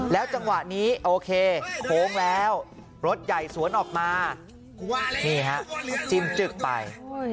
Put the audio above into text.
จังหวะนี้โอเคโค้งแล้วรถใหญ่สวนออกมานี่ฮะจิ้มจึกไป